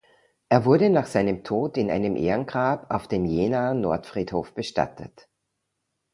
Er wurde nach seinem Tod in einem Ehrengrab auf dem Jenaer Nordfriedhof bestattet.